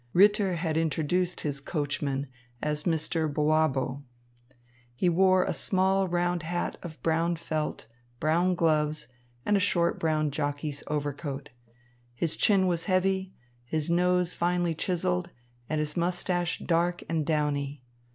Ritter had introduced his coachman as Mr. Boabo. He wore a small round hat of brown felt, brown gloves, and a short brown jockey's overcoat. His chin was heavy, his nose finely chiselled, and his moustache dark and downy.